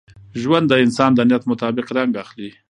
ژوند د انسان د نیت مطابق رنګ اخلي.